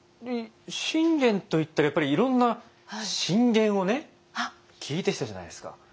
信玄といったらやっぱりいろんな進言を聞いてきたじゃないですか。